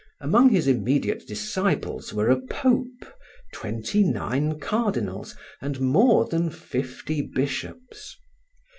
Among his immediate disciples were a pope, twenty nine cardinals, and more than fifty bishops.